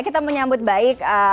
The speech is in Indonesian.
kita menyambut baik